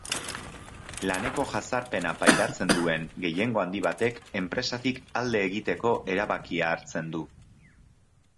Laneko jazarpena pairatzen duen gehiengo handi batek enpresatik alde egiteko erabakia hartzen du.